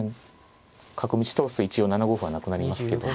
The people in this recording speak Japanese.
角道通すと一応７五歩はなくなりますけど。